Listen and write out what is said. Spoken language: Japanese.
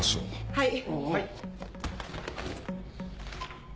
はい。